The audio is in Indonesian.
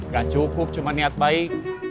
gak cukup cuma niat baik